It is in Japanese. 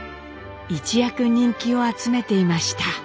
一躍人気を集めていました。